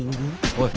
おい！